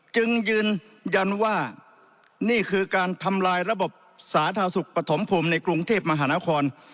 จึงยืนยันว่านี่คือการทำลายระบบสาธารณสุขปฐมพรมในกรุงเทพมหานคร